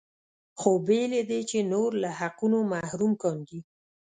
خو بې له دې چې نور له حقونو محروم کاندي.